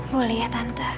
boleh ya tante